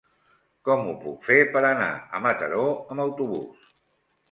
Com ho puc fer per anar a Mataró amb autobús?